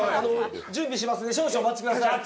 準備しますんで少々お待ちください。